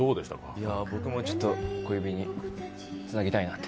僕もちょっと小指につなぎたいなって。